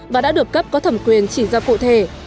và đã được cấp có thẩm quyền chỉ ra cụ thể